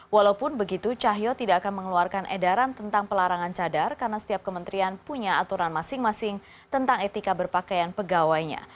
walaupun begitu cahyo tidak akan mengeluarkan edaran tentang pelarangan cadar karena setiap kementerian punya aturan masing masing tentang etika berpakaian pegawainya